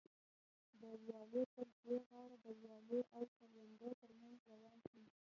د ویالې پر دې غاړه د ویالې او کروندو تر منځ روان شوم.